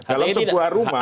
dalam sebuah rumah